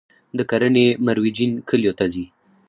د کرنې مرویجین کلیو ته ځي